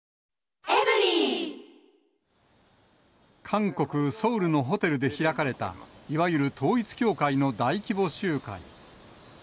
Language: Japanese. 韓国・ソウルのホテルで開かれた、いわゆる統一教会の大規模集会。